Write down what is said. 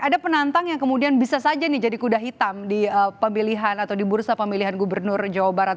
ada penantang yang kemudian bisa saja nih jadi kuda hitam di pemilihan atau di bursa pemilihan gubernur jawa barat